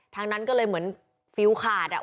ทั้งนั้นก็เลยเหมือนฟิลขาดอ่ะ